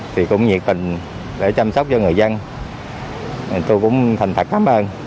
thì cũng nhiệt tình để chăm sóc cho người dân tôi cũng thành thật cảm ơn